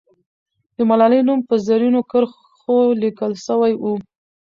د ملالۍ نوم په زرینو کرښو لیکل سوی وو.